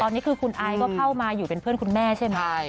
ตอนนี้คือคุณไอซ์ก็เข้ามาอยู่เป็นเพื่อนคุณแม่ใช่ไหม